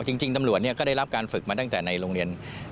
จริงตำรวจก็ได้รับการฝึกมาตั้งแต่ในโรงเรียน